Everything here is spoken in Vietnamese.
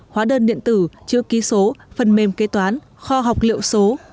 hóa đơn điện tử chứa ký số phần mềm kế toán kho học liệu số